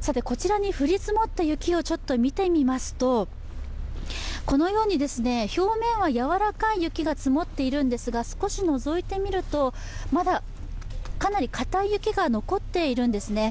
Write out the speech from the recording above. さてこちらに降り積もった雪をちょっと見てみますとこのように表面は柔らかい雪が積もっているんですが少し除いてみると、まだかなりかたい雪が残っているんですね。